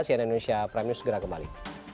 cnn indonesia prime news segera kembali